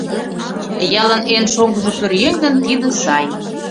— Ялын эн шоҥгыжо пӧръеҥ гын, тиде сай.